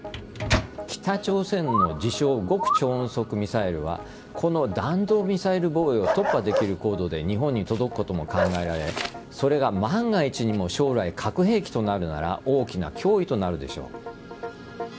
北朝鮮の自称・極超音速ミサイルはこの弾道ミサイル防衛を突破できる高度で日本に届くことも考えられそれが万が一にも核兵器となるなら大きな脅威となるでしょう。